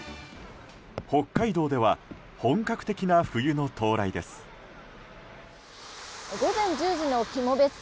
北海道では本格的な冬の到来です。